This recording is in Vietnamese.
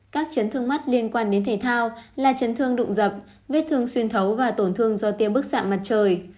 các chấn thương mắt liên quan đến thể thao là chấn thương đụng dập vết thương xuyên thấu và tổn thương do tiêu bức xạ mặt trời